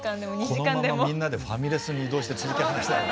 このままみんなでファミレスに移動して続き話したい。